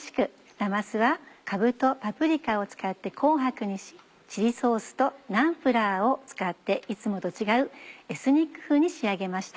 なますはかぶとパプリカを使って紅白にしチリソースとナンプラーを使っていつもと違うエスニック風に仕上げました。